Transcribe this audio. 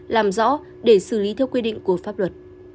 làm rõ để xử lý theo quy định của pháp luật